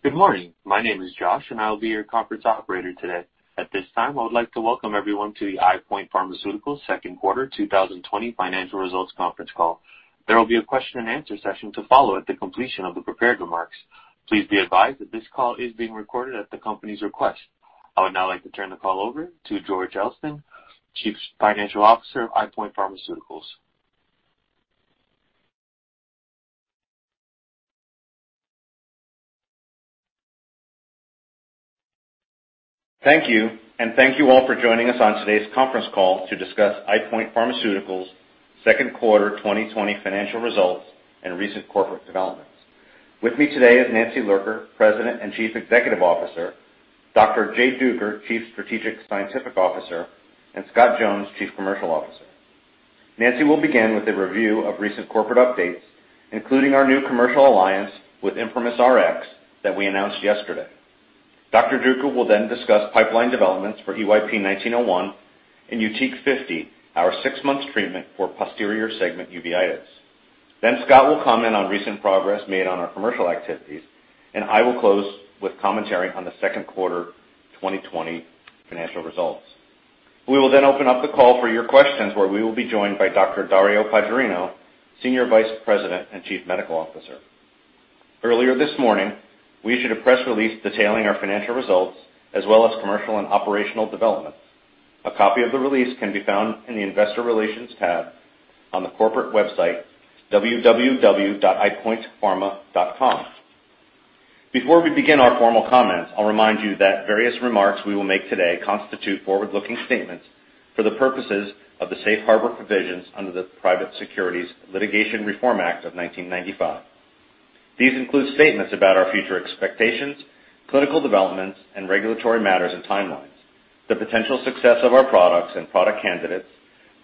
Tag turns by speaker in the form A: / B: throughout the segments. A: Good morning. My name is Josh, and I will be your conference operator today. At this time, I would like to welcome everyone to the EyePoint Pharmaceuticals Second Quarter 2020 Financial Results Conference Call. There will be a question and answer session to follow at the completion of the prepared remarks. Please be advised that this call is being recorded at the company's request. I would now like to turn the call over to George Elston, Chief Financial Officer of EyePoint Pharmaceuticals.
B: Thank you. Thank you all for joining us on today's conference call to discuss EyePoint Pharmaceuticals' second quarter 2020 financial results and recent corporate developments. With me today is Nancy Lurker, President and Chief Executive Officer, Dr. Jay Duker, Chief Strategic Scientific Officer, and Scott Jones, Chief Commercial Officer. Nancy will begin with a review of recent corporate updates, including our new commercial alliance with ImprimisRx that we announced yesterday. Dr. Duker will then discuss pipeline developments for EYP-1901 and YUTIQ 50, our six-month treatment for posterior segment uveitis. Scott will comment on recent progress made on our commercial activities, and I will close with commentary on the second quarter 2020 financial results. We will then open up the call for your questions, where we will be joined by Dr. Dario Paggiarino, Senior Vice President and Chief Medical Officer. Earlier this morning, we issued a press release detailing our financial results as well as commercial and operational developments. A copy of the release can be found in the investor relations tab on the corporate website, www.eyepointpharma.com. Before we begin our formal comments, I'll remind you that various remarks we will make today constitute forward-looking statements for the purposes of the safe harbor provisions under the Private Securities Litigation Reform Act of 1995. These include statements about our future expectations, clinical developments, and regulatory matters and timelines, the potential success of our products and product candidates,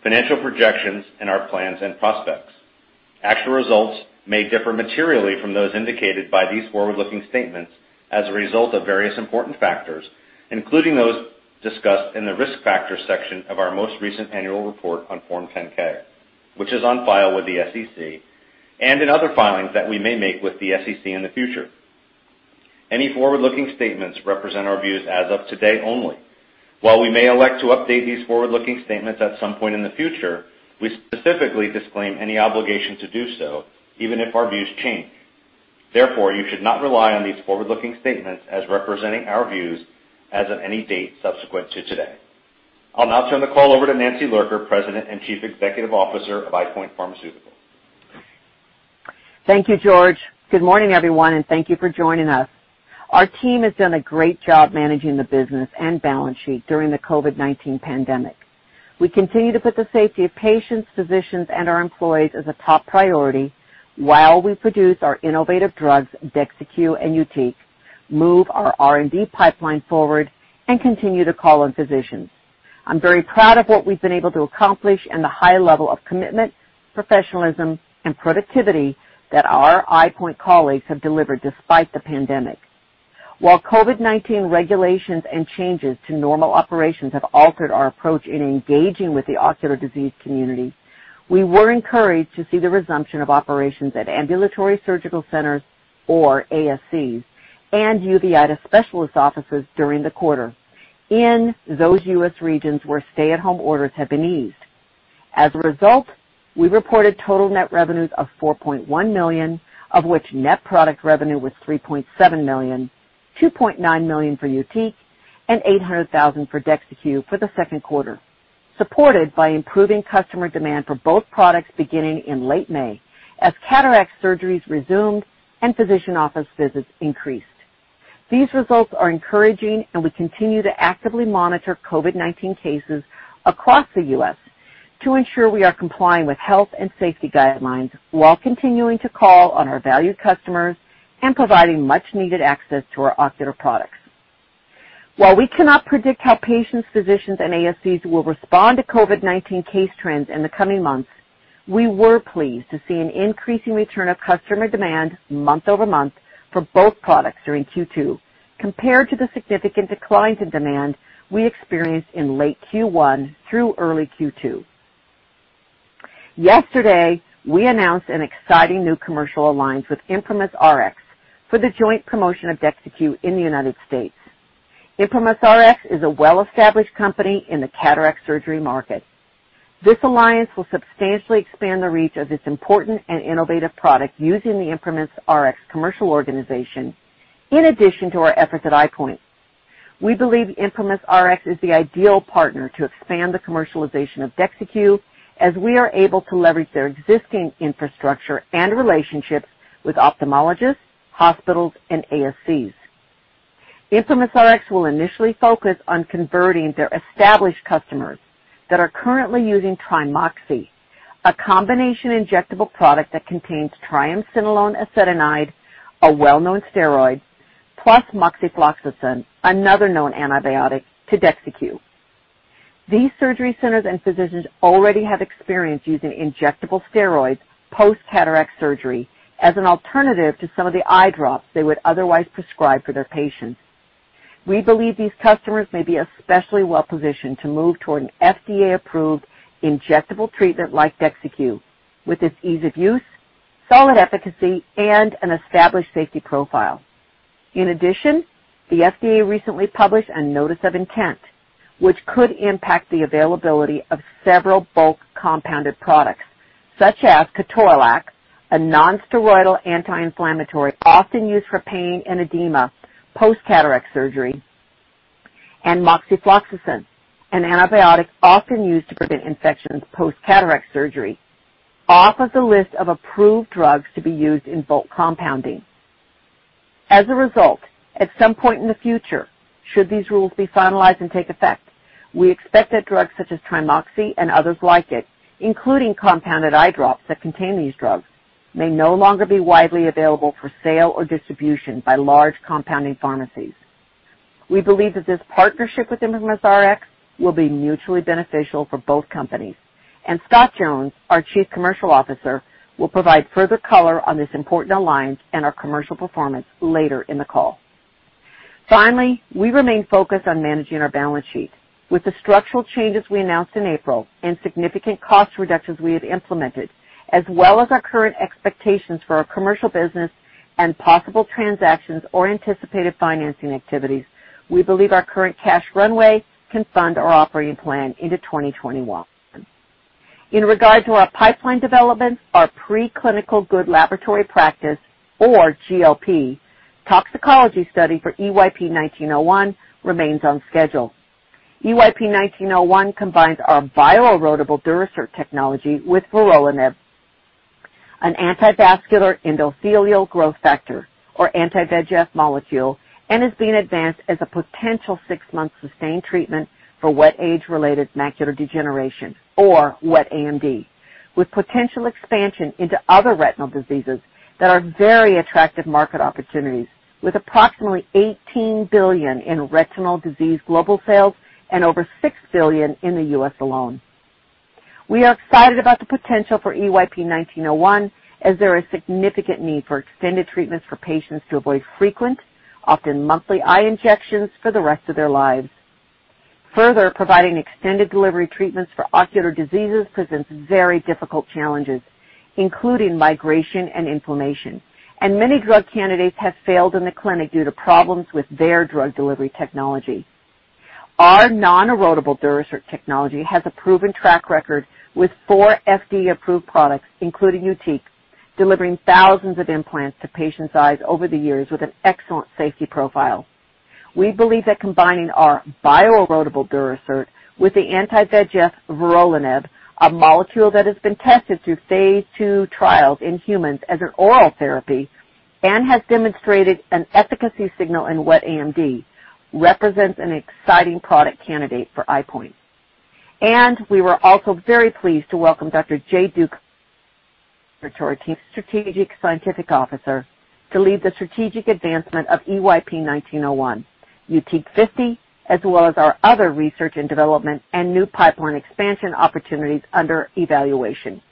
B: financial projections, and our plans and prospects. Actual results may differ materially from those indicated by these forward-looking statements as a result of various important factors, including those discussed in the Risk Factors section of our most recent annual report on Form 10-K, which is on file with the SEC and in other filings that we may make with the SEC in the future. Any forward-looking statements represent our views as of today only. While we may elect to update these forward-looking statements at some point in the future, we specifically disclaim any obligation to do so, even if our views change. Therefore, you should not rely on these forward-looking statements as representing our views as of any date subsequent to today. I'll now turn the call over to Nancy Lurker, President and Chief Executive Officer of EyePoint Pharmaceuticals.
C: Thank you, George. Good morning, everyone, and thank you for joining us. Our team has done a great job managing the business and balance sheet during the COVID-19 pandemic. We continue to put the safety of patients, physicians, and our employees as a top priority while we produce our innovative drugs, DEXYCU and YUTIQ, move our R&D pipeline forward, and continue to call on physicians. I'm very proud of what we've been able to accomplish and the high level of commitment, professionalism, and productivity that our EyePoint colleagues have delivered despite the pandemic. While COVID-19 regulations and changes to normal operations have altered our approach in engaging with the ocular disease community, we were encouraged to see the resumption of operations at ambulatory surgical centers, or ASCs, and uveitis specialist offices during the quarter in those U.S. regions where stay-at-home orders have been eased. As a result, we reported total net revenues of $4.1 million, of which net product revenue was $3.7 million, $2.9 million for YUTIQ and $800,000 for DEXYCU for the second quarter, supported by improving customer demand for both products beginning in late May as cataract surgeries resumed and physician office visits increased. These results are encouraging, and we continue to actively monitor COVID-19 cases across the U.S. to ensure we are complying with health and safety guidelines while continuing to call on our valued customers and providing much-needed access to our ocular products. While we cannot predict how patients, physicians, and ASCs will respond to COVID-19 case trends in the coming months, we were pleased to see an increasing return of customer demand month-over-month for both products during Q2 compared to the significant declines in demand we experienced in late Q1 through early Q2. Yesterday, we announced an exciting new commercial alliance with ImprimisRx for the joint promotion of DEXYCU in the United States. ImprimisRx is a well-established company in the cataract surgery market. This alliance will substantially expand the reach of this important and innovative product using the ImprimisRx commercial organization in addition to our efforts at EyePoint. We believe ImprimisRx is the ideal partner to expand the commercialization of DEXYCU as we are able to leverage their existing infrastructure and relationships with ophthalmologists, hospitals, and ASCs. ImprimisRx will initially focus on converting their established customers that are currently using TriMoxi, a combination injectable product that contains triamcinolone acetonide, a well-known steroid, plus moxifloxacin, another known antibiotic, to DEXYCU. These surgery centers and physicians already have experience using injectable steroids post-cataract surgery as an alternative to some of the eye drops they would otherwise prescribe for their patients. We believe these customers may be especially well-positioned to move toward an FDA-approved injectable treatment like DEXYCU, with its ease of use, solid efficacy, and an established safety profile. In addition, the FDA recently published a Notice of Intent, which could impact the availability of several bulk compounded products, such as ketorolac, a non-steroidal anti-inflammatory often used for pain and edema post-cataract surgery, and moxifloxacin, an antibiotic often used to prevent infections post-cataract surgery, off of the list of approved drugs to be used in bulk compounding. As a result, at some point in the future, should these rules be finalized and take effect, we expect that drugs such as TriMoxi and others like it, including compounded eye drops that contain these drugs, may no longer be widely available for sale or distribution by large compounding pharmacies. We believe that this partnership with ImprimisRx will be mutually beneficial for both companies. Scott Jones, our Chief Commercial Officer, will provide further color on this important alliance and our commercial performance later in the call. Finally, we remain focused on managing our balance sheet. With the structural changes we announced in April and significant cost reductions we have implemented, as well as our current expectations for our commercial business and possible transactions or anticipated financing activities, we believe our current cash runway can fund our operating plan into 2021. In regard to our pipeline developments, our preclinical good laboratory practice or GLP toxicology study for EYP-1901 remains on schedule. EYP-1901 combines our bio-erodible Durasert technology with vorolanib, an anti-vascular endothelial growth factor, or anti-VEGF molecule, and is being advanced as a potential six-month sustained treatment for wet age-related macular degeneration, or wet AMD, with potential expansion into other retinal diseases that are very attractive market opportunities, with approximately $18 billion in retinal disease global sales and over $6 billion in the U.S. alone. We are excited about the potential for EYP-1901, as there is significant need for extended treatments for patients to avoid frequent, often monthly eye injections for the rest of their lives. Further, providing extended delivery treatments for ocular diseases presents very difficult challenges, including migration and inflammation, and many drug candidates have failed in the clinic due to problems with their drug delivery technology. Our non-erodible Durasert technology has a proven track record with four FDA-approved products, including YUTIQ, delivering thousands of implants to patients' eyes over the years with an excellent safety profile. We believe that combining our bio-erodible Durasert with the anti-VEGF vorolanib, a molecule that has been tested through phase II trials in humans as an oral therapy and has demonstrated an efficacy signal in wet AMD, represents an exciting product candidate for EyePoint. We were also very pleased to welcome Dr. Jay Duker to our team as Chief Strategic Scientific Officer to lead the strategic advancement of EYP-1901, YUTIQ 50, as well as our other research and development and new pipeline expansion opportunities under evaluation.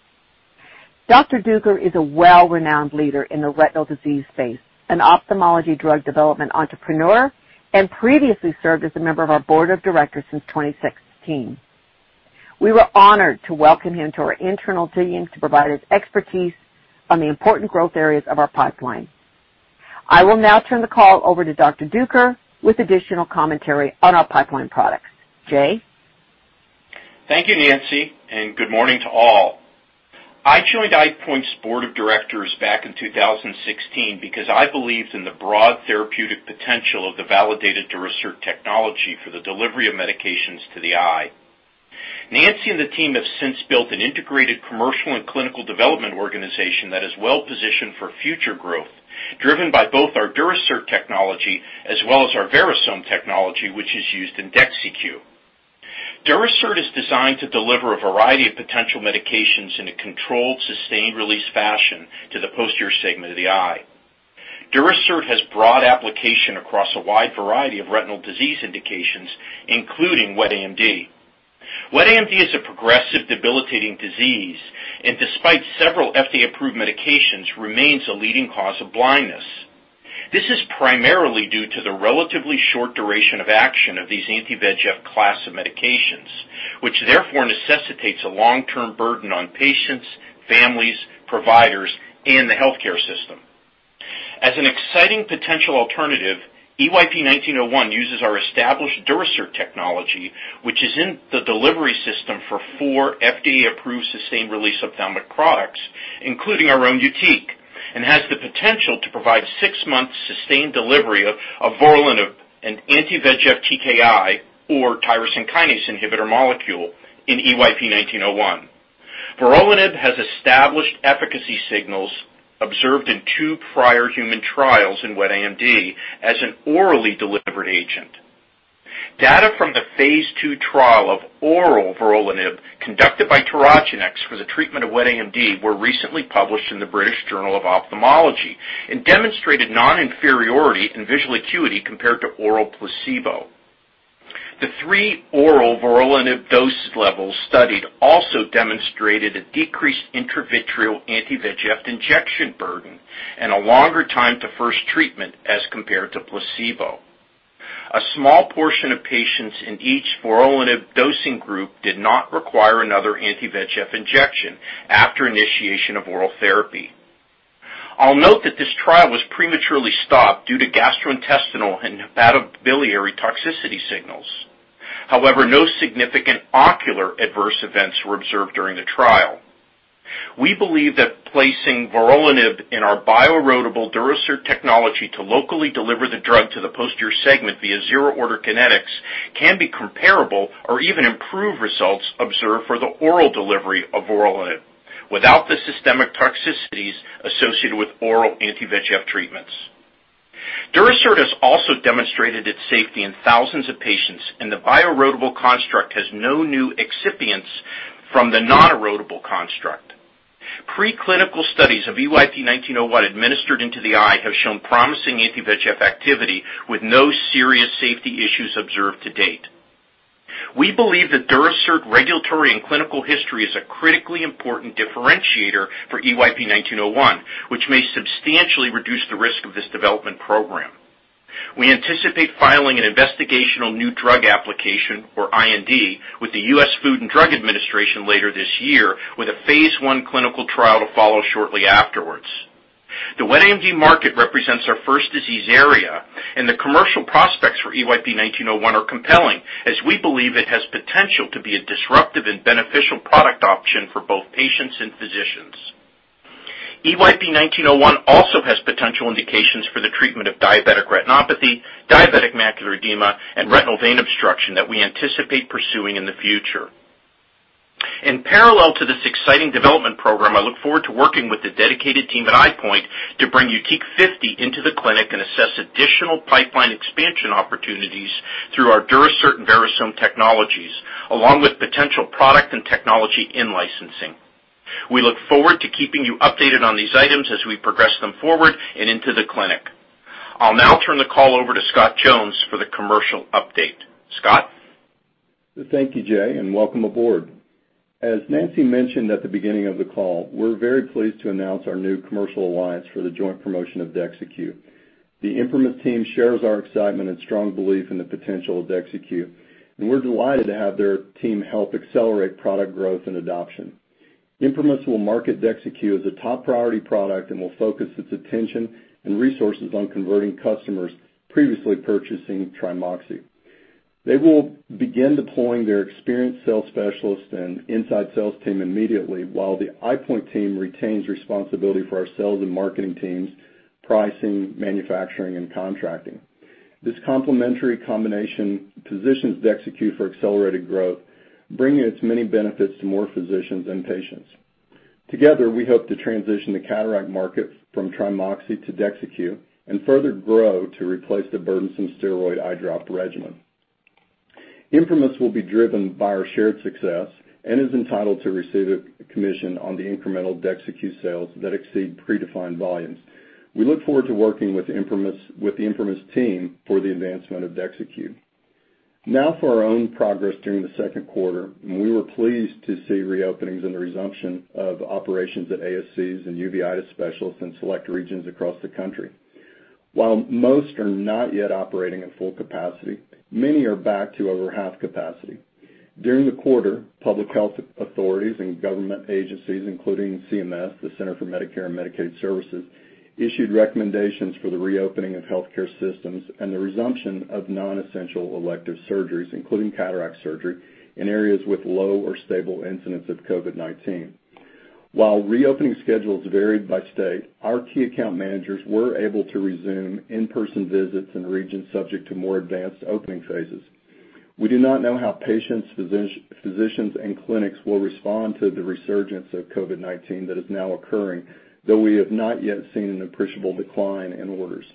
C: Dr. Duker is a well-renowned leader in the retinal disease space and ophthalmology drug development entrepreneur, and previously served as a member of our board of directors since 2016. We were honored to welcome him to our internal team to provide his expertise on the important growth areas of our pipeline. I will now turn the call over to Dr. Duker with additional commentary on our pipeline products. Jay?
D: Thank you, Nancy, and good morning to all. I joined EyePoint's board of directors back in 2016 because I believed in the broad therapeutic potential of the validated Durasert technology for the delivery of medications to the eye. Nancy and the team have since built an integrated commercial and clinical development organization that is well-positioned for future growth, driven by both our Durasert technology as well as our Verisome technology, which is used in DEXYCU. Durasert is designed to deliver a variety of potential medications in a controlled, sustained-release fashion to the posterior segment of the eye. Durasert has broad application across a wide variety of retinal disease indications, including wet AMD. Wet AMD is a progressive debilitating disease and despite several FDA-approved medications, remains a leading cause of blindness. This is primarily due to the relatively short duration of action of these anti-VEGF class of medications, which therefore necessitates a long-term burden on patients, families, providers, and the healthcare system. As an exciting potential alternative, EYP-1901 uses our established Durasert technology, which is in the delivery system for four FDA-approved sustained release ophthalmic products, including our own YUTIQ, and has the potential to provide six-month sustained delivery of vorolanib, an anti-VEGF TKI, or tyrosine kinase inhibitor molecule, in EYP-1901. Vorolanib has established efficacy signals observed in two prior human trials in wet AMD as an orally delivered agent. Data from the phase II trial of oral vorolanib conducted by Tyrogenex for the treatment of wet AMD were recently published in the British Journal of Ophthalmology and demonstrated non-inferiority in visual acuity compared to oral placebo. Three oral vorolanib dose levels studied also demonstrated a decreased intravitreal anti-VEGF injection burden and a longer time to first treatment as compared to placebo. A small portion of patients in each vorolanib dosing group did not require another anti-VEGF injection after initiation of oral therapy. I'll note that this trial was prematurely stopped due to gastrointestinal and hepatobiliary toxicity signals. However, no significant ocular adverse events were observed during the trial. We believe that placing vorolanib in our bio-erodible Durasert technology to locally deliver the drug to the posterior segment via zero-order kinetics can be comparable or even improve results observed for the oral delivery of vorolanib without the systemic toxicities associated with oral anti-VEGF treatments. Durasert has also demonstrated its safety in thousands of patients, and the bio-erodible construct has no new excipients from the non-erodible construct. Pre-clinical studies of EYP-1901 administered into the eye have shown promising anti-VEGF activity with no serious safety issues observed to date. We believe that Durasert regulatory and clinical history is a critically important differentiator for EYP-1901, which may substantially reduce the risk of this development program. We anticipate filing an investigational new drug application, or IND, with the U.S. Food and Drug Administration later this year, with a phase I clinical trial to follow shortly afterwards. The wet AMD market represents our first disease area, and the commercial prospects for EYP-1901 are compelling, as we believe it has potential to be a disruptive and beneficial product option for both patients and physicians. EYP-1901 also has potential indications for the treatment of diabetic retinopathy, diabetic macular edema, and retinal vein occlusion that we anticipate pursuing in the future. In parallel to this exciting development program, I look forward to working with the dedicated team at EyePoint to bring YUTIQ 50 into the clinic and assess additional pipeline expansion opportunities through our Durasert and Verisome technologies, along with potential product and technology in licensing. We look forward to keeping you updated on these items as we progress them forward and into the clinic. I'll now turn the call over to Scott Jones for the commercial update. Scott?
E: Thank you, Jay, and welcome aboard. As Nancy mentioned at the beginning of the call, we're very pleased to announce our new commercial alliance for the joint promotion of DEXYCU. The ImprimisRx team shares our excitement and strong belief in the potential of DEXYCU, and we're delighted to have their team help accelerate product growth and adoption. ImprimisRx will market DEXYCU as a top priority product and will focus its attention and resources on converting customers previously purchasing TriMoxi. They will begin deploying their experienced sales specialists and inside sales team immediately while the EyePoint team retains responsibility for our sales and and marketing teams, pricing, manufacturing, and contracting. This complementary combination positions DEXYCU for accelerated growth, bringing its many benefits to more physicians and patients. Together, we hope to transition the cataract market from TriMoxi to DEXYCU and further grow to replace the burdensome steroid eye drop regimen. Infarmus will be driven by our shared success and is entitled to receive a commission on the incremental DEXYCU sales that exceed predefined volumes. We look forward to working with the Infarmus team for the advancement of DEXYCU. Now for our own progress during the second quarter, we were pleased to see reopenings and the resumption of operations at ASCs and uveitis specialists in select regions across the country. While most are not yet operating at full capacity, many are back to over half capacity. During the quarter, public health authorities and government agencies, including CMS, the Centers for Medicare & Medicaid Services, issued recommendations for the reopening of healthcare systems and the resumption of non-essential elective surgeries, including cataract surgery in areas with low or stable incidents of COVID-19. While reopening schedules varied by state, our key account managers were able to resume in-person visits in regions subject to more advanced opening phases. We do not know how patients, physicians, and clinics will respond to the resurgence of COVID-19 that is now occurring, though we have not yet seen an appreciable decline in orders.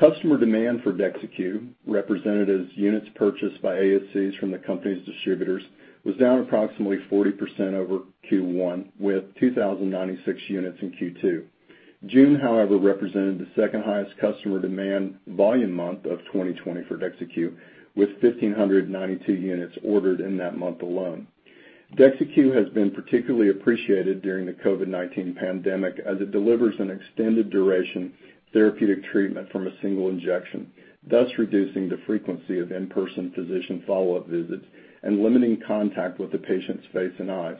E: Customer demand for DEXYCU, represented as units purchased by ASCs from the company's distributors, was down approximately 40% over Q1, with 2,096 units in Q2. June, however, represented the second highest customer demand volume month of 2020 for DEXYCU, with 1,592 units ordered in that month alone. DEXYCU has been particularly appreciated during the COVID-19 pandemic as it delivers an extended duration therapeutic treatment from a single injection, thus reducing the frequency of in-person physician follow-up visits and limiting contact with the patient's face and eyes.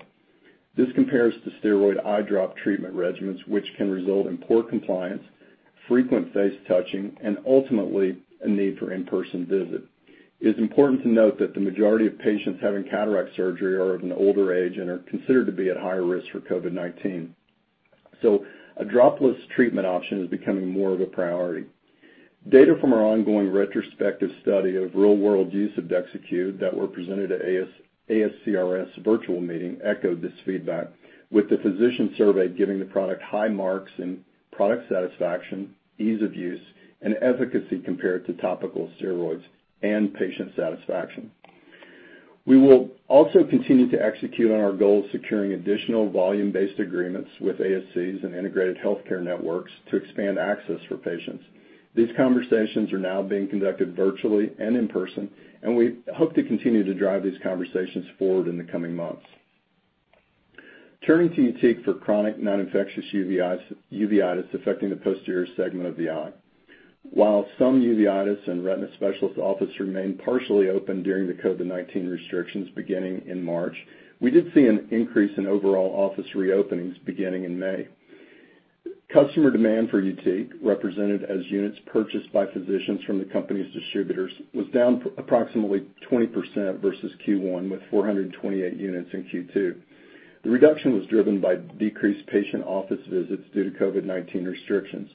E: This compares to steroid eye drop treatment regimens which can result in poor compliance, frequent face touching, and ultimately a need for in-person visit. It is important to note that the majority of patients having cataract surgery are of an older age and are considered to be at higher risk for COVID-19. A dropless treatment option is becoming more of a priority. Data from our ongoing retrospective study of real-world use of DEXYCU that were presented at ASCRS virtual meeting echoed this feedback with the physician survey giving the product high marks in product satisfaction, ease of use, and efficacy compared to topical steroids and patient satisfaction. We will also continue to execute on our goal of securing additional volume-based agreements with ASCs and integrated healthcare networks to expand access for patients. These conversations are now being conducted virtually and in person, and we hope to continue to drive these conversations forward in the coming months. Turning to YUTIQ for chronic non-infectious uveitis affecting the posterior segment of the eye. While some uveitis and retina specialist offices remained partially open during the COVID-19 restrictions beginning in March, we did see an increase in overall office reopenings beginning in May. Customer demand for YUTIQ, represented as units purchased by physicians from the company's distributors, was down approximately 20% versus Q1, with 428 units in Q2. The reduction was driven by decreased patient office visits due to COVID-19 restrictions.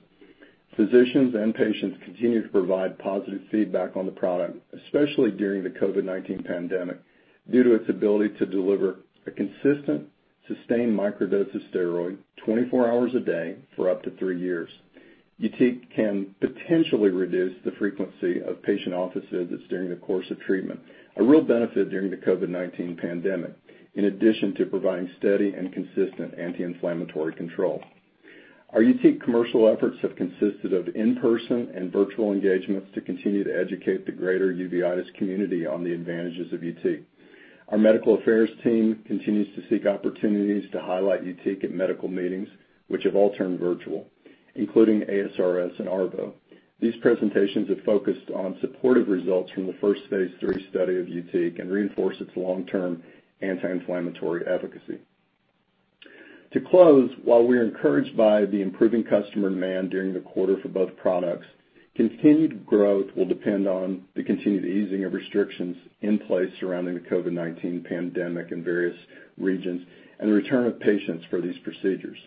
E: Physicians and patients continue to provide positive feedback on the product, especially during the COVID-19 pandemic, due to its ability to deliver a consistent, sustained microdose of steroid 24 hours a day for up to three years. YUTIQ can potentially reduce the frequency of patient office visits during the course of treatment, a real benefit during the COVID-19 pandemic, in addition to providing steady and consistent anti-inflammatory control. Our YUTIQ commercial efforts have consisted of in-person and virtual engagements to continue to educate the greater uveitis community on the advantages of YUTIQ. Our medical affairs team continues to seek opportunities to highlight YUTIQ at medical meetings, which have all turned virtual, including ASRS and ARVO. These presentations have focused on supportive results from the first phase III study of YUTIQ and reinforce its long-term anti-inflammatory efficacy. To close, while we are encouraged by the improving customer demand during the quarter for both products, continued growth will depend on the continued easing of restrictions in place surrounding the COVID-19 pandemic in various regions and the return of patients for these procedures.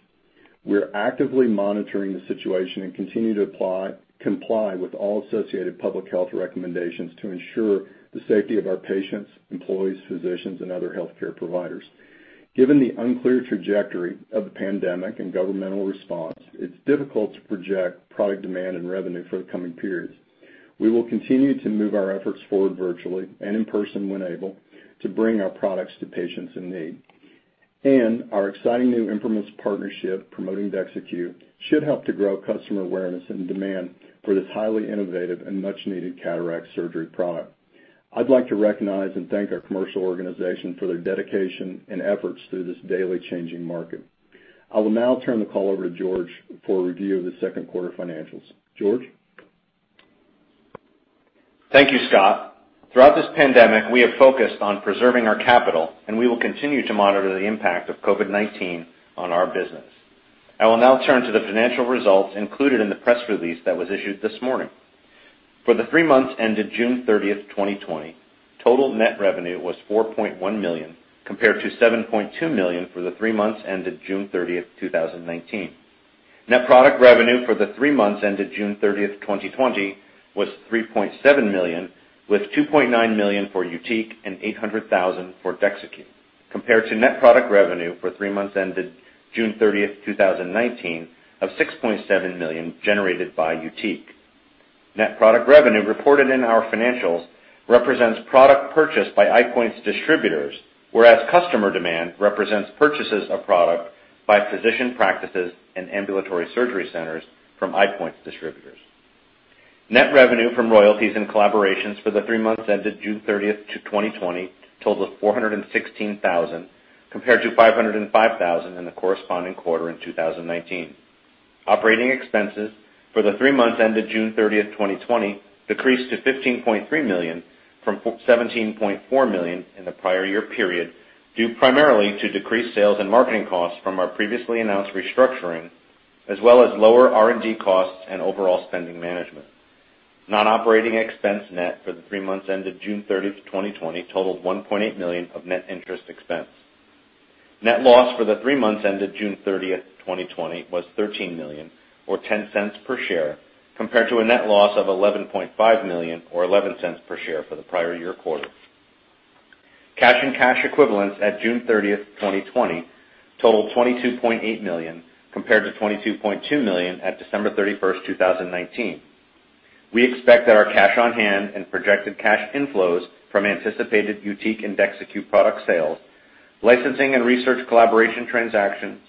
E: We are actively monitoring the situation and continue to comply with all associated public health recommendations to ensure the safety of our patients, employees, physicians, and other healthcare providers. Given the unclear trajectory of the pandemic and governmental response, it's difficult to project product demand and revenue for the coming periods. We will continue to move our efforts forward virtually and in person when able to bring our products to patients in need. Our exciting new ImprimisRx partnership promoting DEXYCU should help to grow customer awareness and demand for this highly innovative and much-needed cataract surgery product. I'd like to recognize and thank our commercial organization for their dedication and efforts through this daily changing market. I will now turn the call over to George for a review of the second quarter financials. George?
B: Thank you, Scott. Throughout this pandemic, we have focused on preserving our capital, and we will continue to monitor the impact of COVID-19 on our business. I will now turn to the financial results included in the press release that was issued this morning. For the three months ended June 30th, 2020, total net revenue was $4.1 million, compared to $7.2 million for the three months ended June 30th, 2019. Net product revenue for the three months ended June 30th, 2020 was $3.7 million, with $2.9 million for YUTIQ and $800,000 for DEXYCU, compared to net product revenue for three months ended June 30th, 2019 of $6.7 million generated by YUTIQ. Net product revenue reported in our financials represents product purchased by EyePoint's distributors, whereas customer demand represents purchases of product by physician practices and ambulatory surgery centers from EyePoint's distributors. Net revenue from royalties and collaborations for the three months ended June 30th, 2020 totaled $416,000, compared to $505,000 in the corresponding quarter in 2019. Operating expenses for the three months ended June 30th, 2020 decreased to $15.3 million from $17.4 million in the prior year period, due primarily to decreased sales and marketing costs from our previously announced restructuring as well as lower R&D costs and overall spending management. Non-operating expense net for the three months ended June 30th, 2020 totaled $1.8 million of net interest expense. Net loss for the three months ended June 30th, 2020 was $13 million, or $0.10 per share, compared to a net loss of $11.5 million or $0.11 per share for the prior year quarter. Cash and cash equivalents at June 30th, 2020 totaled $22.8 million, compared to $22.2 million at December 31st, 2019. We expect that our cash on hand and projected cash inflows from anticipated YUTIQ and DEXYCU product sales, licensing and research collaboration transactions,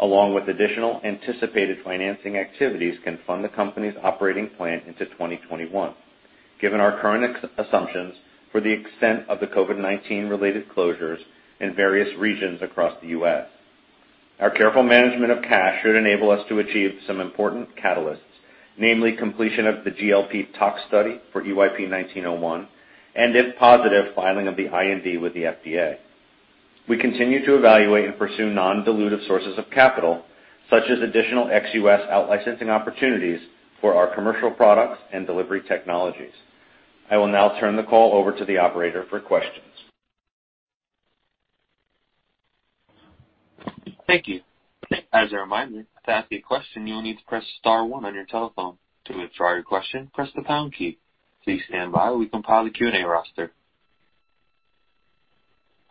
B: along with additional anticipated financing activities can fund the company's operating plan into 2021 given our current assumptions for the extent of the COVID-19 related closures in various regions across the U.S. Our careful management of cash should enable us to achieve some important catalysts, namely completion of the GLP tox study for EYP-1901 and, if positive, filing of the IND with the FDA. We continue to evaluate and pursue non-dilutive sources of capital, such as additional ex-U.S. out licensing opportunities for our commercial products and delivery technologies. I will now turn the call over to the operator for questions.
A: Thank you. As a reminder, to ask a question, you will need to press star one on your telephone. To withdraw your question, press the pound key. Please stand by while we compile the Q&A roster.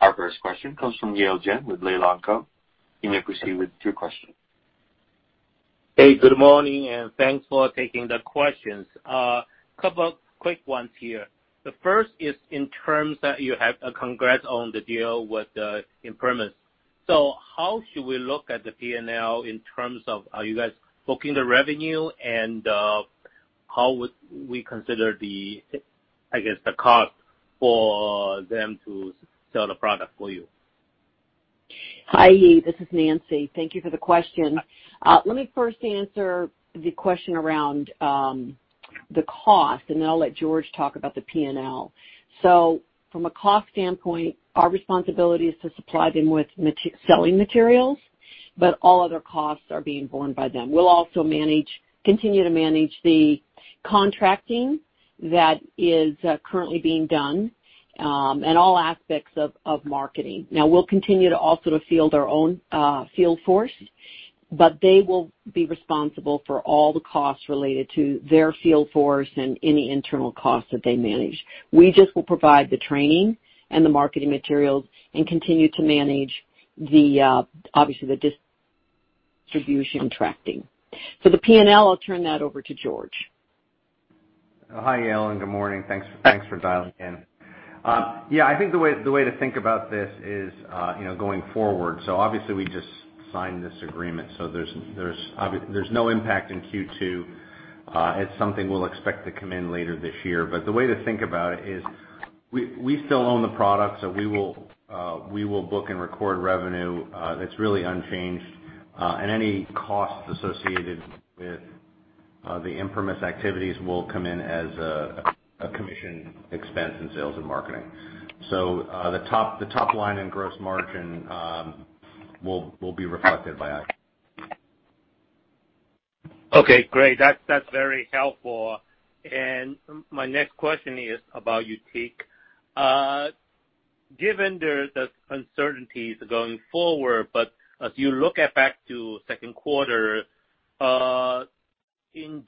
A: Our first question comes from Yale Jen with Laidlaw & Co. You may proceed with your question.
F: Hey, good morning, and thanks for taking the questions. A couple of quick ones here. The first is in terms that you have a congrats on the deal with the ImprimisRx. How should we look at the P&L in terms of, are you guys booking the revenue, and how would we consider, I guess, the cost for them to sell the product for you?
C: Hi, Yi, this is Nancy. Thank you for the question. Let me first answer the question around the cost, and then I'll let George talk about the P&L. From a cost standpoint, our responsibility is to supply them with selling materials, but all other costs are being borne by them. We'll also continue to manage the contracting that is currently being done, and all aspects of marketing. We'll continue to also to field our own field force, but they will be responsible for all the costs related to their field force and any internal costs that they manage. We just will provide the training and the marketing materials and continue to manage obviously the distribution contracting. The P&L, I'll turn that over to George.
B: Hi, Yale, and good morning thanks for dialing in. I think the way to think about this is going forward. Obviously, we just signed this agreement, there's no impact in Q2. It's something we'll expect to come in later this year. The way to think about it is we still own the product, we will book and record revenue. That's really unchanged. Any costs associated with the ImprimisRx activities will come in as a commission expense in sales and marketing. The top line and gross margin will be reflected by that.
F: Okay, great. That's very helpful. My next question is about YUTIQ. Given the uncertainties going forward, as you look back to second quarter,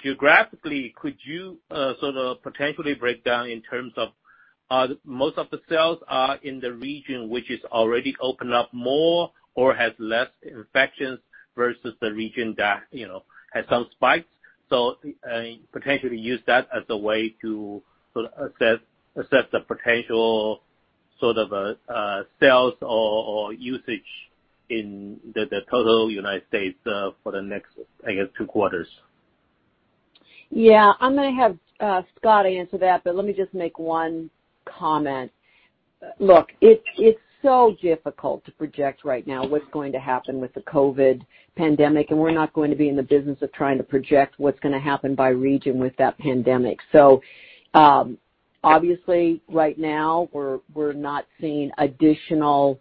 F: geographically, could you sort of potentially break down in terms of most of the sales are in the region which is already opened up more or has less infections versus the region that has some spikes? Potentially use that as a way to sort of assess the potential sort of sales or usage in the total United States for the next, I guess, two quarters.
C: Yeah, I'm going to have Scott answer that, but let me just make one comment. Look, it's so difficult to project right now what's going to happen with the COVID pandemic, and we're not going to be in the business of trying to project what's going to happen by region with that pandemic. Obviously right now we're not seeing additional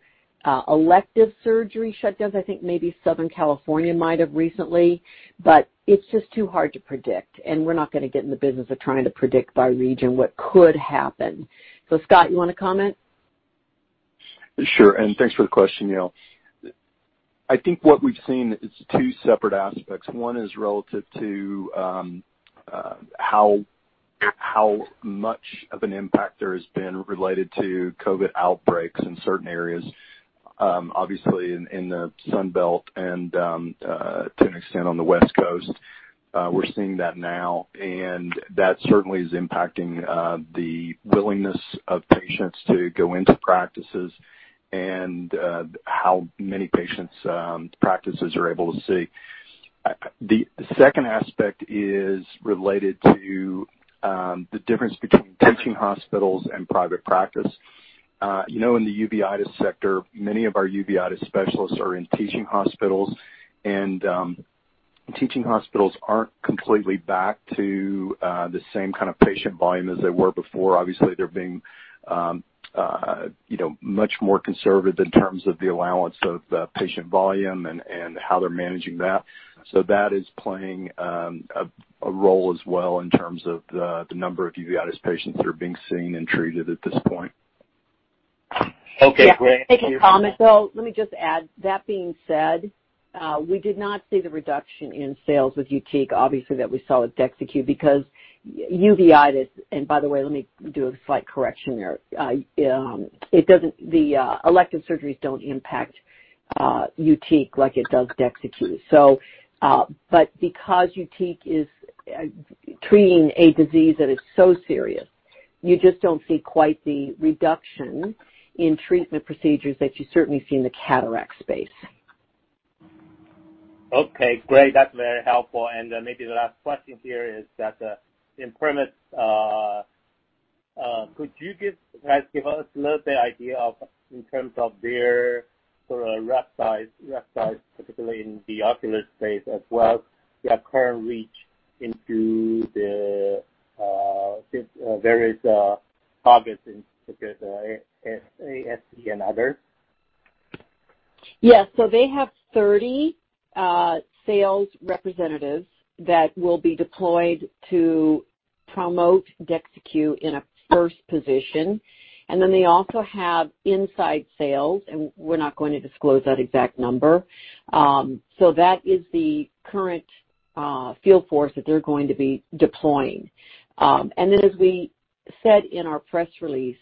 C: elective surgery shutdowns. I think maybe Southern California might have recently, but it's just too hard to predict, and we're not going to get in the business of trying to predict by region what could happen. Scott, you want to comment?
E: Sure, thanks for the question, Yale. I think what we've seen is two separate aspects. One is relative to how much of an impact there has been related to COVID-19 outbreaks in certain areas. Obviously, in the Sun Belt and to an extent on the West Coast. We're seeing that now, that certainly is impacting the willingness of patients to go into practices and how many patients practices are able to see. The second aspect is related to the difference between teaching hospitals and private practice. In the uveitis sector, many of our uveitis specialists are in teaching hospitals, teaching hospitals aren't completely back to the same kind of patient volume as they were before. Obviously, they're being much more conservative in terms of the allowance of patient volume and how they're managing that. That is playing a role as well in terms of the number of uveitis patients that are being seen and treated at this point.
F: Okay, great.
C: Can I just make a comment though? Let me just add. That being said, we did not see the reduction in sales with YUTIQ, obviously, that we saw with DEXYCU because uveitis, and by the way, let me do a slight correction there. The elective surgeries don't impact YUTIQ like it does DEXYCU. Because YUTIQ is treating a disease that is so serious, you just don't see quite the reduction in treatment procedures that you certainly see in the cataract space.
F: Okay, great. That's very helpful. Maybe the last question here is that ImprimisRx, could you guys give us a little bit idea in terms of their sort of rep size, particularly in the ocular space as well as their current reach into the various targets, in particular, ASC and others?
C: Yes. They have 30 sales representatives that will be deployed to promote DEXYCU in a first position. They also have inside sales, and we're not going to disclose that exact number. That is the current field force that they're going to be deploying. As we said in our press release,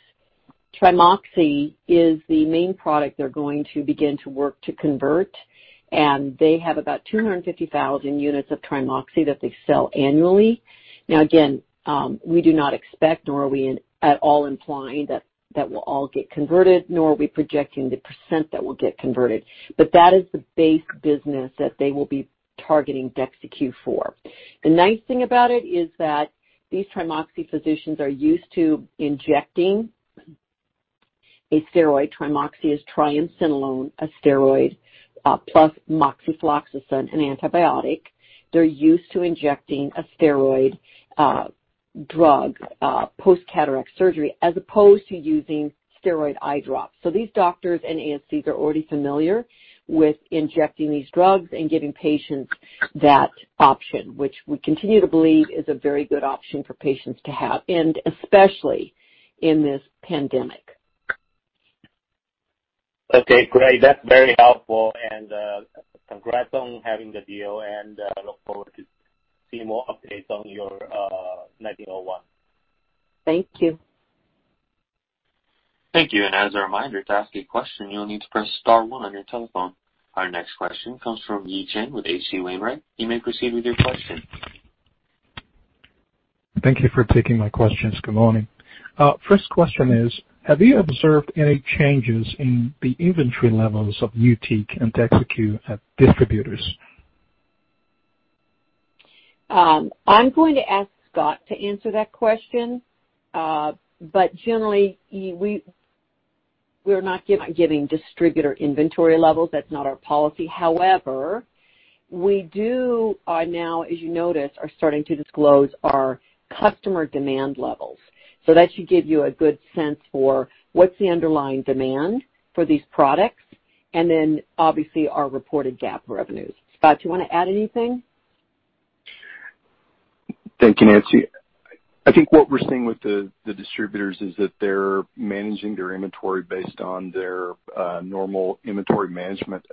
C: TriMoxi is the main product they're going to begin to work to convert, and they have about 250,000 units of TriMoxi that they sell annually. Again, we do not expect, nor are we at all implying that will all get converted, nor are we projecting the % that will get converted. That is the base business that they will be targeting DEXYCU for. The nice thing about it is that these TriMoxi physicians are used to injecting a steroid. TriMoxi is triamcinolone, a steroid, plus moxifloxacin, an antibiotic. They're used to injecting a steroid drug, post-cataract surgery, as opposed to using steroid eye drops. These doctors and ASCs are already familiar with injecting these drugs and giving patients that option, which we continue to believe is a very good option for patients to have, and especially in this pandemic.
F: Okay, great. That's very helpful, and congrats on having the deal and look forward to see more updates on your 1901.
C: Thank you.
A: Thank you. As a reminder, to ask a question, you'll need to press star one on your telephone. Our next question comes from Yi Chen with H.C. Wainwright. You may proceed with your question.
G: Thank you for taking my questions. Good morning. First question is, have you observed any changes in the inventory levels of YUTIQ and DEXYCU at distributors?
C: I'm going to ask Scott to answer that question. Generally, we are not giving distributor inventory levels, that's not our policy. However, we do are now, as you noticed, are starting to disclose our customer demand levels. That should give you a good sense for what's the underlying demand for these products, and then obviously our reported GAAP revenues. Scott, do you want to add anything?
E: Thank you, Nancy. I think what we're seeing with the distributors is that they're managing their inventory based on their normal inventory management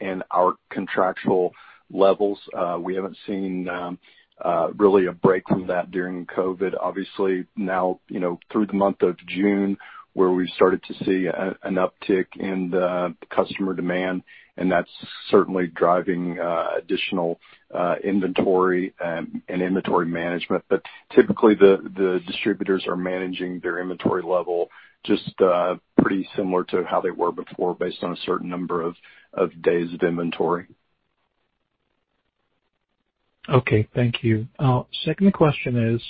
E: and our contractual levels. We haven't seen really a break from that during COVID-19. Obviously, now through the month of June, where we started to see an uptick in the customer demand, and that's certainly driving additional inventory and inventory management. Typically, the distributors are managing their inventory level just pretty similar to how they were before, based on a certain number of days of inventory.
G: Okay, thank you. Second question is,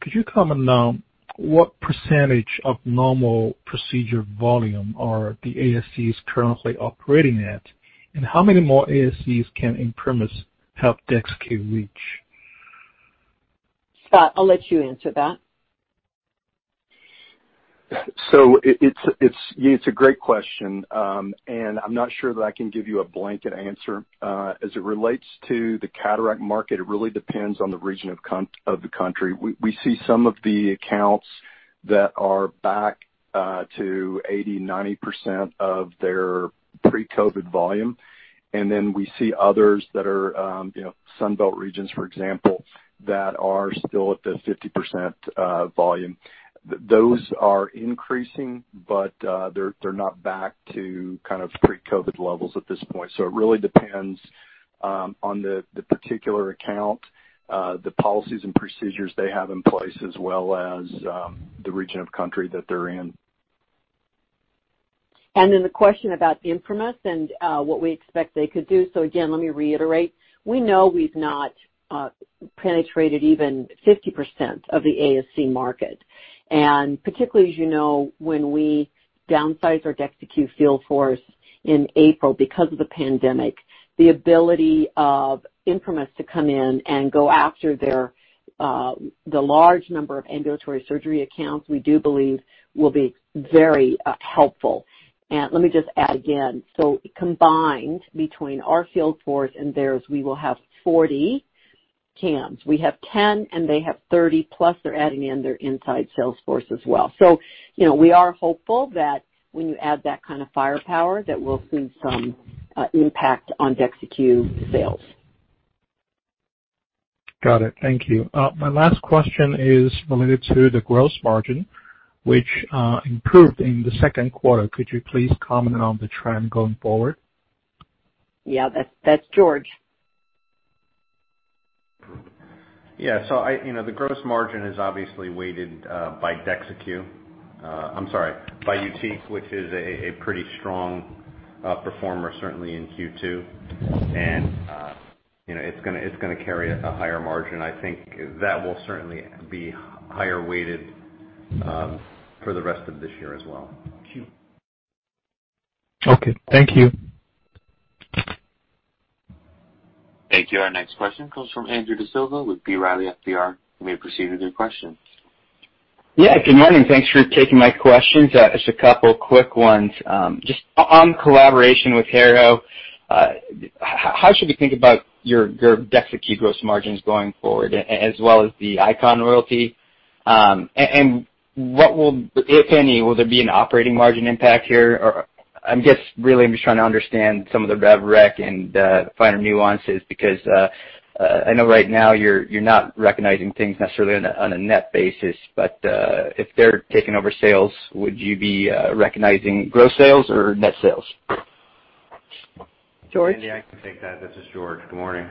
G: could you comment on what percentage of normal procedure volume are the ASCs currently operating at? How many more ASCs can ImprimisRx help DEXYCU reach?
C: Scott, I'll let you answer that.
E: It's a great question, and I'm not sure that I can give you a blanket answer. As it relates to the cataract market, it really depends on the region of the country. We see some of the accounts that are back to 80%, 90% of their pre-COVID volume, and then we see others that are Sun Belt regions, for example, that are still at the 50% volume. Those are increasing, but they're not back to pre-COVID levels at this point. It really depends on the particular account, the policies and procedures they have in place, as well as the region of country that they're in.
C: The question about ImprimisRx and what we expect they could do. Again, let me reiterate, we know we've not penetrated even 50% of the ASC market. Particularly, as you know, when we downsized our DEXYCU field force in April because of the pandemic, the ability of ImprimisRx to come in and go after the large number of ambulatory surgery accounts, we do believe will be very helpful. Let me just add again, combined between our field force and theirs, we will have 40 TAMs. We have 10 and they have 30, plus they're adding in their inside sales force as well. We are hopeful that when you add that kind of firepower, that we'll see some impact on DEXYCU sales.
G: Got it, thank you. My last question is related to the gross margin, which improved in the second quarter. Could you please comment on the trend going forward?
C: Yeah, that's George.
B: The gross margin is obviously weighted by YUTIQ, which is a pretty strong performer, certainly in Q2. It's going to carry a higher margin. I think that will certainly be higher weighted for the rest of this year as well.
G: Okay. Thank you.
A: Thank you. Our next question comes from Andrew D'Silva with B. Riley FBR. You may proceed with your question.
H: Yeah, good morning. Thanks for taking my questions. Just a couple quick ones. Just on collaboration with Harrow, how should we think about your DEXYCU gross margins going forward as well as the Icon royalty? What will, if any, will there be an operating margin impact here? I'm just really trying to understand some of the rev rec and finer nuances, because I know right now you're not recognizing things necessarily on a net basis, but if they're taking over sales, would you be recognizing gross sales or net sales?
C: George?
B: Andy, I can take that. This is George, good morning.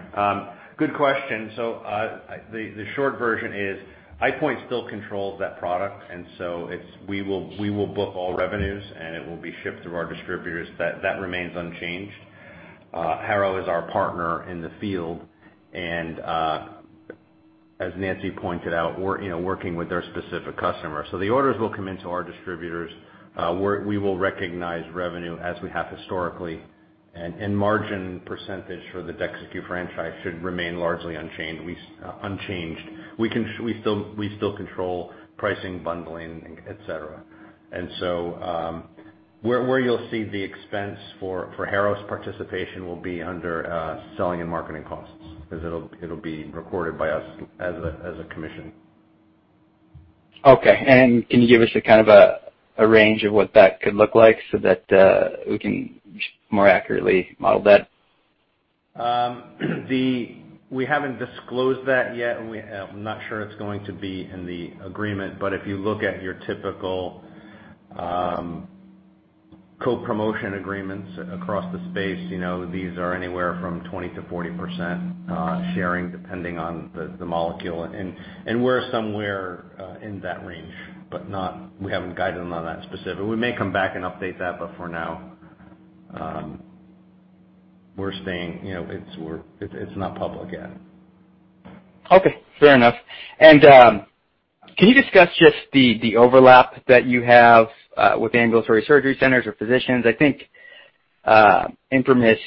B: Good question. The short version is, EyePoint still controls that product, and so we will book all revenues, and it will be shipped through our distributors, that remains unchanged. Harrow is our partner in the field, and, as Nancy pointed out, working with their specific customer. The orders will come into our distributors. We will recognize revenue as we have historically, and margin percentage for the DEXYCU franchise should remain largely unchanged. We still control pricing, bundling, et cetera. Where you'll see the expense for Harrow's participation will be under selling and marketing costs, because it'll be recorded by us as a commission.
H: Okay. Can you give us a kind of a range of what that could look like so that we can more accurately model that?
B: We haven't disclosed that yet, and I'm not sure it's going to be in the agreement, but if you look at your typical co-promotion agreements across the space, these are anywhere from 20%-40% sharing, depending on the molecule. We're somewhere in that range, but we haven't guided on that specific. We may come back and update that, but for now, we're staying It's not public yet.
H: Okay, fair enough. Can you discuss just the overlap that you have with the Ambulatory Surgery Centers or physicians? I think ImprimisRx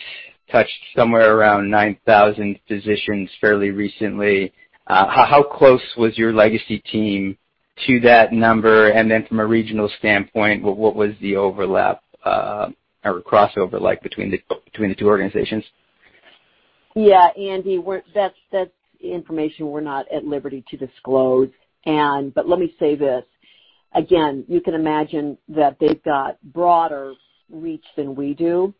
H: touched somewhere around 9,000 physicians fairly recently. How close was your legacy team to that number? Then from a regional standpoint, what was the overlap, or crossover like between the two organizations?
C: Yeah, Andy, that's information we're not at liberty to disclose, and let me say this. Again, you can imagine that they've got broader reach than we do,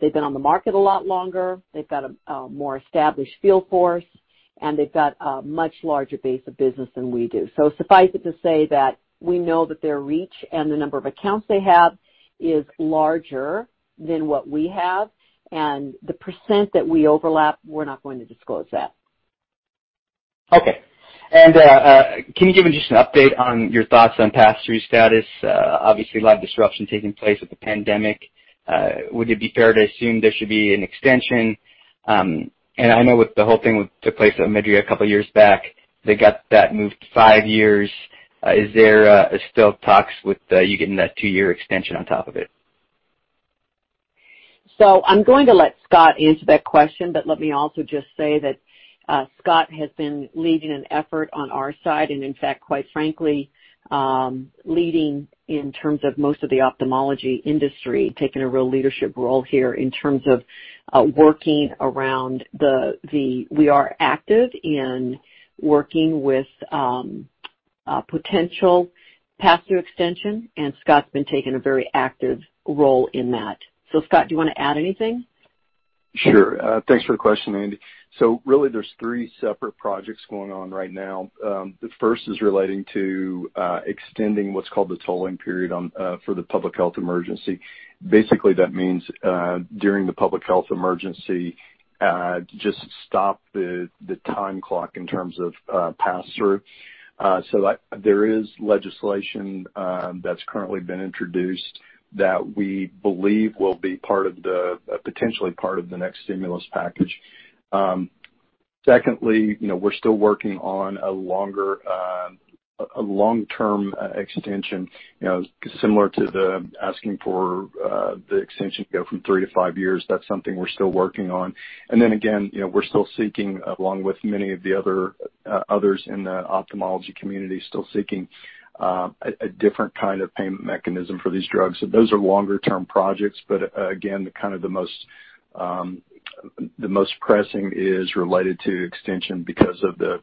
C: they've been on the market a lot longer, they've got a more established field force, and they've got a much larger base of business than we do. Suffice it to say that we know that their reach and the number of accounts they have is larger than what we have, and the percent that we overlap, we're not going to disclose that.
H: Okay. Can you give me just an update on your thoughts on pass-through status? Obviously, a lot of disruption taking place with the pandemic. Would it be fair to assume there should be an extension? I know with the whole thing that took place at Mydriasert a couple years back, they got that moved to five years. Is there still talks with you getting that two-year extension on top of it?
C: I'm going to let Scott answer that question, let me also just say that Scott has been leading an effort on our side, and in fact, quite frankly, leading in terms of most of the ophthalmology industry, taking a real leadership role here in terms of We are active in working with potential pass-through extension, and Scott's been taking a very active role in that. Scott, do you want to add anything?
E: Sure. Thanks for the question, Andy. Really, there's three separate projects going on right now. The first is relating to extending what's called the tolling period for the public health emergency. Basically, that means during the public health emergency, just stop the time clock in terms of pass-through. There is legislation that's currently been introduced that we believe will be potentially part of the next stimulus package. Secondly, we're still working on a long-term extension, similar to the asking for the extension to go from three to five years. That's something we're still working on. Then again, we're still seeking, along with many of the others in the ophthalmology community, still seeking a different kind of payment mechanism for these drugs. Those are longer-term projects, but again, kind of the most pressing is related to extension because of the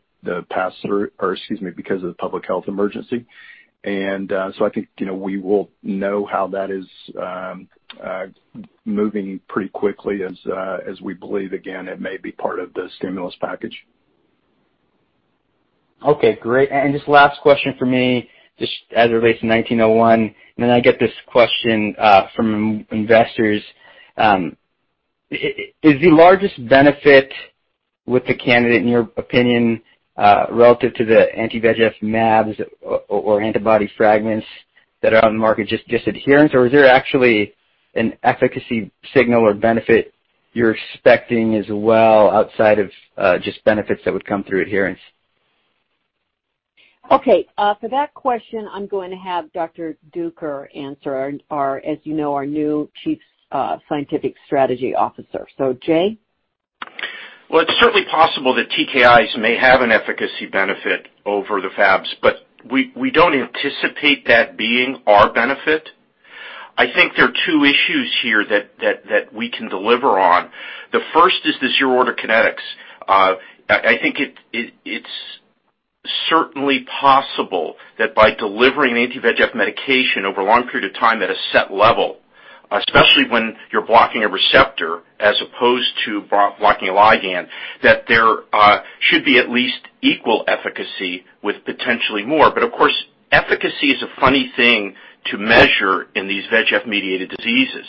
E: pass-through, or excuse me, because of the public health emergency. I think we will know how that is moving pretty quickly as we believe, again, it may be part of the stimulus package.
H: Okay, great. Just last question from me, just as it relates to 1901, then I get this question from investors. Is the largest benefit with the candidate, in your opinion, relative to the anti-VEGF mAbs or antibody fragments that are on the market, just adherence? Is there actually an efficacy signal or benefit you're expecting as well outside of just benefits that would come through adherence?
C: Okay. For that question, I'm going to have Dr. Duker answer. As you know, our new Chief Scientific Strategy Officer. Jay?
D: Well, it's certainly possible that TKIs may have an efficacy benefit over the Fabs, but we don't anticipate that being our benefit. I think there are two issues here that we can deliver on. The first is zero-order kinetics. I think it's certainly possible that by delivering anti-VEGF medication over a long period of time at a set level, especially when you're blocking a receptor as opposed to blocking a ligand, that there should be at least equal efficacy with potentially more. Of course, efficacy is a funny thing to measure in these VEGF-mediated diseases.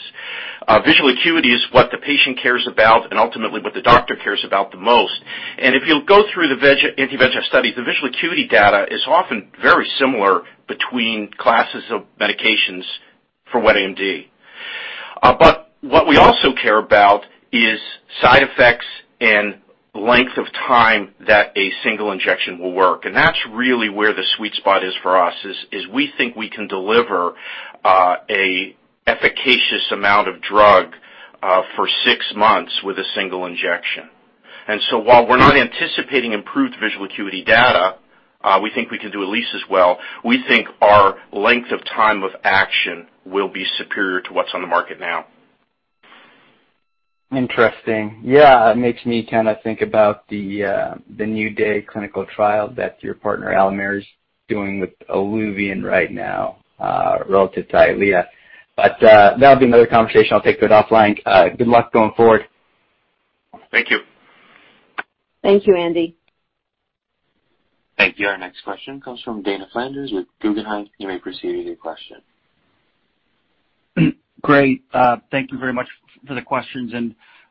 D: Visual acuity is what the patient cares about and ultimately what the doctor cares about the most. If you'll go through the anti-VEGF studies, the visual acuity data is often very similar between classes of medications for wet AMD. What we also care about is side effects and length of time that a single injection will work. That's really where the sweet spot is for us, is we think we can deliver an efficacious amount of drug for six months with a single injection. While we're not anticipating improved visual acuity data, we think we can do at least as well. We think our length of time of action will be superior to what's on the market now.
H: Interesting. Yeah, it makes me kind of think about the NEW DAY clinical trial that your partner, Alimera's doing with ILUVIEN right now relative to EYLEA. That'll be another conversation. I'll take that offline. Good luck going forward.
D: Thank you.
C: Thank you, Andy.
A: Thank you. Our next question comes from Dana Flanders with Guggenheim. You may proceed with your question.
I: Great. Thank you very much for the questions.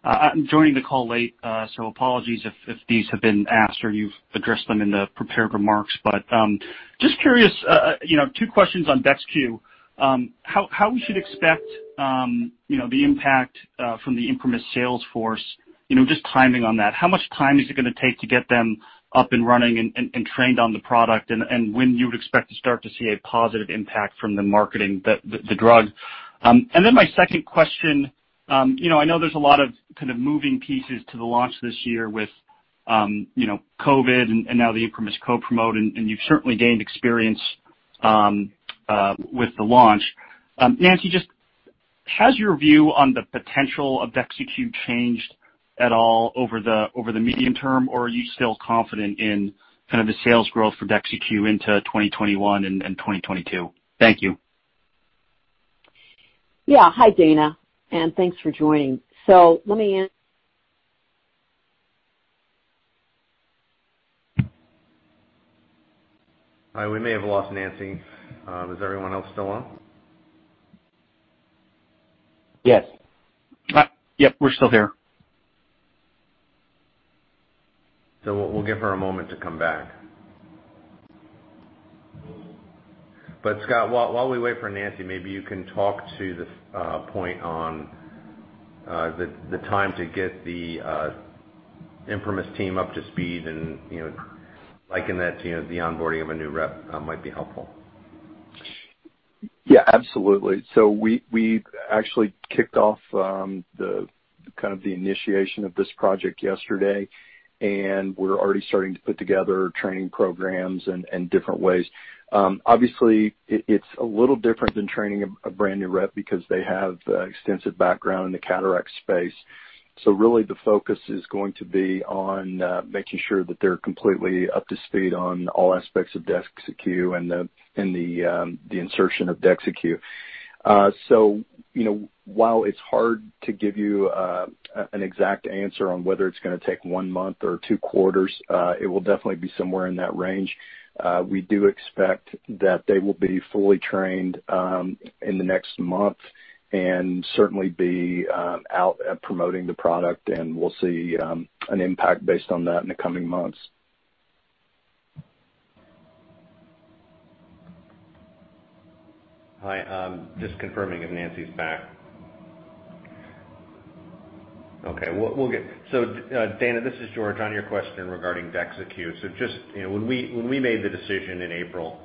I: I'm joining the call late, so apologies if these have been asked or you've addressed them in the prepared remarks. Just curious, two questions on DEXYCU. How we should expect the impact from the ImprimisRx sales force, just timing on that. How much time is it going to take to get them up and running and trained on the product? When you would expect to start to see a positive impact from the marketing the drug. My second question. I know there's a lot of kind of moving pieces to the launch this year with COVID and now the ImprimisRx co-promote, and you've certainly gained experience with the launch. Nancy, just has your view on the potential of DEXYCU changed at all over the medium term? Are you still confident in kind of the sales growth for DEXYCU into 2021 and 2022? Thank you.
C: Yeah. Hi, Dana, and thanks for joining.
B: We may have lost Nancy. Is everyone else still on?
I: Yes.
E: Yep, we're still here.
B: We'll give her a moment to come back. Scott, while we wait for Nancy, maybe you can talk to the point on the time to get the ImprimisRx team up to speed, and liken that to the onboarding of a new rep might be helpful.
E: Yeah, absolutely. We actually kicked off kind of the initiation of this project yesterday, and we're already starting to put together training programs and different ways. Obviously, it's a little different than training a brand new rep because they have extensive background in the cataract space. Really the focus is going to be on making sure that they're completely up to speed on all aspects of DEXYCU and the insertion of DEXYCU. While it's hard to give you an exact answer on whether it's going to take one month or two quarters, it will definitely be somewhere in that range. We do expect that they will be fully trained in the next month and certainly be out promoting the product, and we'll see an impact based on that in the coming months.
B: Hi, just confirming if Nancy is back. Okay. Dana, this is George on your question regarding DEXYCU. Just when we made the decision in April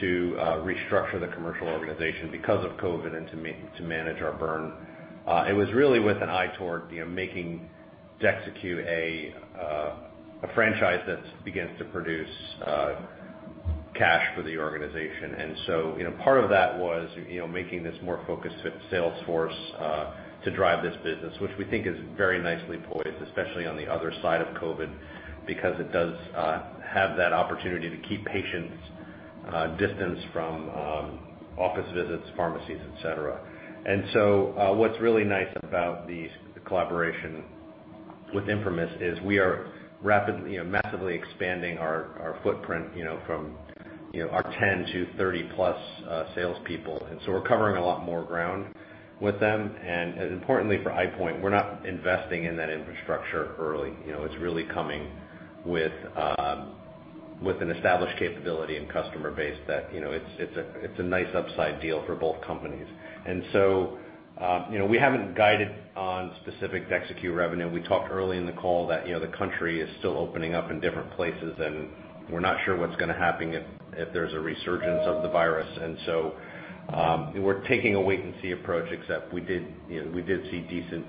B: to restructure the commercial organization because of COVID-19 and to manage our burn, it was really with an eye toward making DEXYCU a franchise that begins to produce cash for the organization. Part of that was making this more focused sales force to drive this business, which we think is very nicely poised, especially on the other side of COVID-19, because it does have that opportunity to keep patients distanced from office visits, pharmacies, et cetera. What's really nice about the collaboration with ImprimisRx is we are massively expanding our footprint from our 10 to 30-plus salespeople. We're covering a lot more ground with them. Importantly for EyePoint, we're not investing in that infrastructure early. It's really coming with an established capability and customer base that it's a nice upside deal for both companies. We haven't guided on specific DEXYCU revenue. We talked early in the call that the country is still opening up in different places, and we're not sure what's going to happen if there's a resurgence of the virus. We're taking a wait and see approach, except we did see decent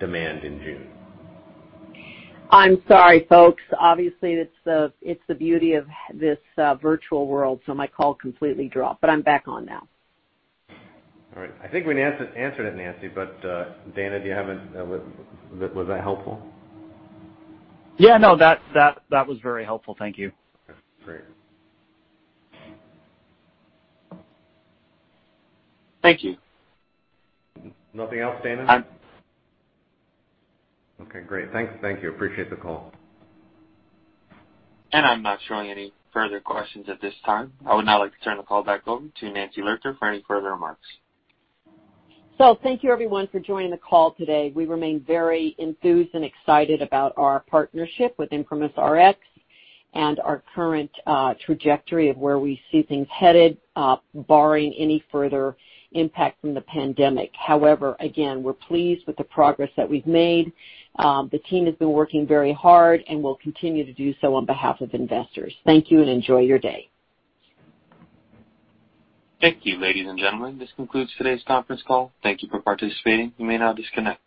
B: demand in June.
C: I'm sorry, folks. Obviously, it's the beauty of this virtual world. My call completely dropped, but I'm back on now.
B: All right. I think we answered it, Nancy. Dana, was that helpful?
I: Yeah. No, that was very helpful. Thank you.
B: Okay, great.
I: Thank you.
B: Nothing else, Dana?
I: I'm-
B: Okay, great thank you. Appreciate the call.
A: I'm not showing any further questions at this time. I would now like to turn the call back over to Nancy Lurker for any further remarks.
C: Thank you everyone for joining the call today. We remain very enthused and excited about our partnership with ImprimisRx and our current trajectory of where we see things headed, barring any further impact from the pandemic. Again, we're pleased with the progress that we've made. The team has been working very hard and will continue to do so on behalf of investors. Thank you and enjoy your day.
A: Thank you, ladies and gentlemen. This concludes today's conference call. Thank you for participating. You may now disconnect.